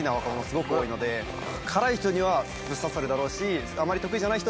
すごく多いので辛い人にはぶっ刺さるだろうし。